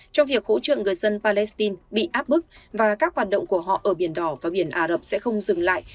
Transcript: trong việc hỗ trợ người dân palestine bị áp bức và các hoạt động của họ ở biển đỏ và biển ả rập sẽ không dừng lại